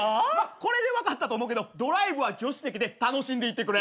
これで分かったと思うけどドライブは助手席で楽しんでいてくれ。